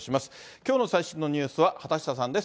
きょうの最新のニュースは畑下さんです。